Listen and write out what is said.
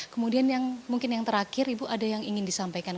kemudian yang mungkin yang terakhir ibu ada yang ingin disampaikan